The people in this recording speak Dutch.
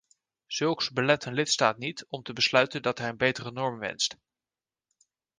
Zulks belet een lidstaat niet om te besluiten dat hij een betere norm wenst.